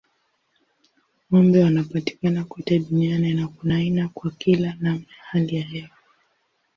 Ng'ombe wanapatikana kote duniani na kuna aina kwa kila namna ya hali ya hewa.